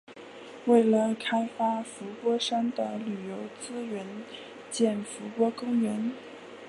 为了开发伏波山的旅游资源建伏波公园。